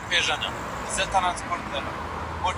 د دوستانو اړيکي به خاوند په کوم کور کي پالي؟